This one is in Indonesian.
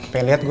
pengen liat gua